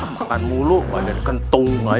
makan mulu badan kentung ayah